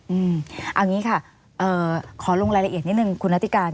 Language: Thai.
เอาอย่างนี้ค่ะขอลงรายละเอียดนิดนึงคุณนาธิการ